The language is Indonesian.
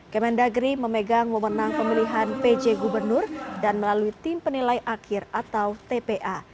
kemendagri memegang memenang pemilihan pj gubernur dan melalui tim penilai akhir atau tpa